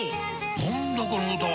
何だこの歌は！